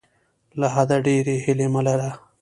له حده ډیرې هیلې مه لره.